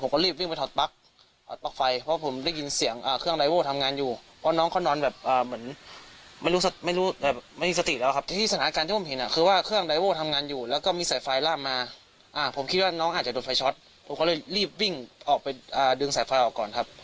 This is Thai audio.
ก็เลยรีบวิ่งออกไปดึงแสไฟฟ้าออกก่อนครับ